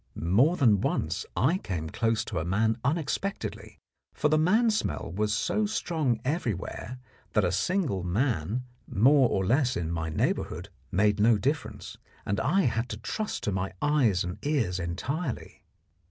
More than once I came close to a man unexpectedly, for the man smell was so strong everywhere that a single man more or less in my neighbourhood made no difference, and I had to trust to my eyes and ears entirely.